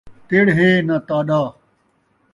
تڑ ہے ناں تاݙا